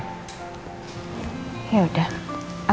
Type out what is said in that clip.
kita berangkat satu jam lagi ya